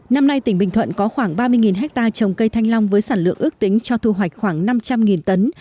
năm nay tỉnh bình thuận có khoảng ba mươi hectare trồng cây thanh long với sản lượng ước tính cho thu hoạch khoảng năm trăm linh tấn